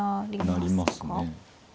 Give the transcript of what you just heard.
成りますね。